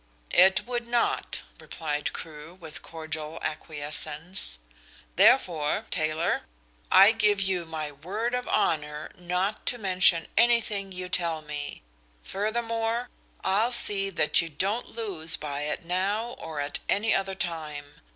"It would not," replied Crewe, with cordial acquiescence. "Therefore, Taylor, I give you my word of honour not to mention anything you tell me. Furthermore, I'll see that you don't lose by it now or at any other time.